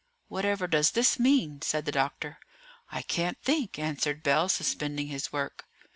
"Whatever does this mean?" said the doctor. "I can't think," answered Bell, suspending his work.